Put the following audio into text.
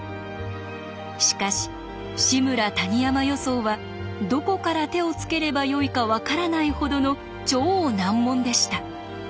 しかし「志村−谷山予想」はどこから手をつければよいか分からないほどの超難問でした。